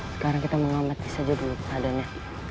sekarang kita mengamati saja dulu keadaannya